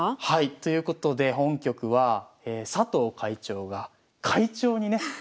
はいということで本局は佐藤会長が快調にね